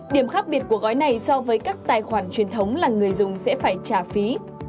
điểm khác biệt của gói này so với các tài khoản truyền thống là người dùng sẽ phải trả phí